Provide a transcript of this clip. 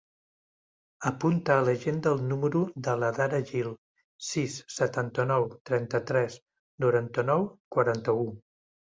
Apunta a l'agenda el número de l'Adhara Gil: sis, setanta-nou, trenta-tres, noranta-nou, quaranta-u.